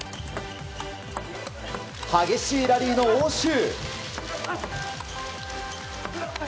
激しいラリーの応酬！